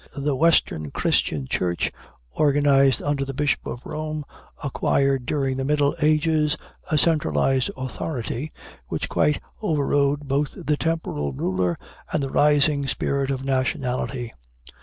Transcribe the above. The Western Christian Church, organized under the Bishop of Rome, acquired, during the middle ages, a centralized authority which quite overrode both the temporal ruler and the rising spirit of nationality.